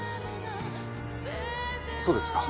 そうですか。